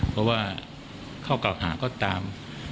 เพราะว่าเขากระหล่างเข้าตาม